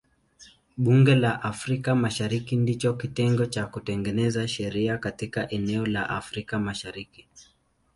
Bunge la Afrika Mashariki ndicho kitengo cha kutengeneza sheria katika eneo la Afrika Mashariki.